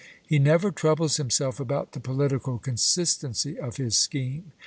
He never troubles himself about the political consistency of his scheme.